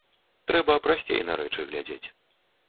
Трэба прасцей на рэчы глядзець.